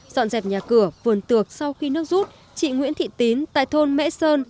dọn dẹp nhà cửa vườn tược sau khi nước rút chị nguyễn thị tín tại thôn mễ sơn